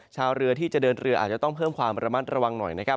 ชาวเรือที่จะเดินเรืออาจจะต้องเพิ่มความระมัดระวังหน่อยนะครับ